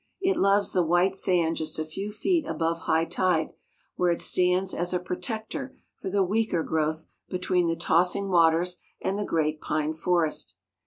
It loves the white sand just a few feet above high tide, where it stands as a protector for the weaker growth between the tossing waters and the great pine forest.